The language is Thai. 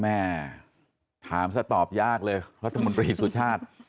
แม่ถามซะตอบยากเลยรัฐมนตรีสุชาติ